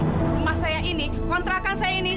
di rumah saya ini kontrakan saya ini